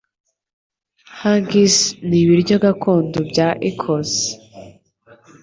Haggis ni ibiryo gakondo bya Ecosse.